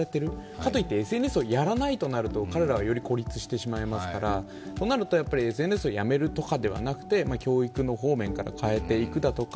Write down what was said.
かといって、ＳＮＳをやらないとなると、彼らはより孤立してしまいますから、となるとやっぱりＳＮＳをやめるとかではなくて、教育の方面から変えていくだとか